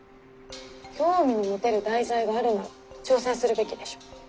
興味の持てる題材があるなら挑戦するべきでしょ。